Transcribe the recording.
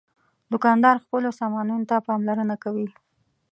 دوکاندار خپلو سامانونو ته پاملرنه کوي.